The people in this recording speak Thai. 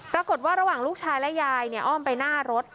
ระหว่างลูกชายและยายอ้อมไปหน้ารถ